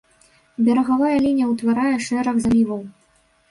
Берагавая лінія ўтварае шэраг заліваў.